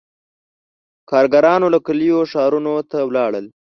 • کارګرانو له کلیو ښارونو ته ولاړل.